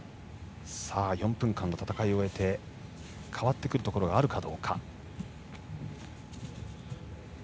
４分間の戦いを終えて変わってくるところがあるか。